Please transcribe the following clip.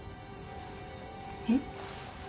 えっ？